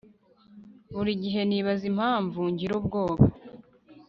buri gihe nibaza impamvu ngira ubwoba